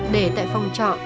để tại phòng trọ